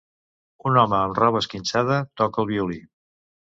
un home amb roba esquinçada toca el violí.